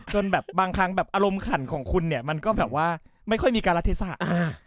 จนแบบบางครั้งแบบอารมณ์ขันของคุณเนี่ยมันก็แบบว่าไม่ค่อยมีการรัฐเทศะ